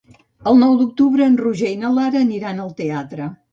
El nou d'octubre en Roger i na Lara aniran al teatre.